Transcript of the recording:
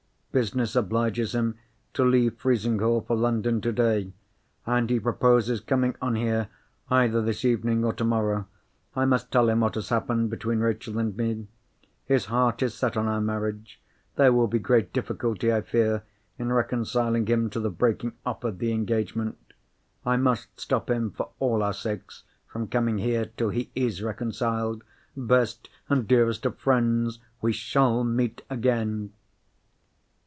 "Business obliges him to leave Frizinghall for London today, and he proposes coming on here, either this evening or tomorrow. I must tell him what has happened between Rachel and me. His heart is set on our marriage—there will be great difficulty, I fear, in reconciling him to the breaking off of the engagement. I must stop him, for all our sakes, from coming here till he is reconciled. Best and dearest of friends, we shall meet again!"